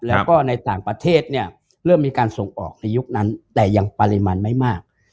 แล้วก็ในต่างประเทศเนี่ยเริ่มมีการส่งออกในยุคนั้นแต่ยังปริมาณไม่มาก